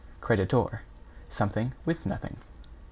=CREDITOR= Something with nothing.